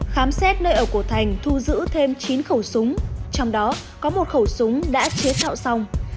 khám xét nơi ở của thành thu giữ thêm chín khẩu súng trong đó có một khẩu súng đã chế tạo xong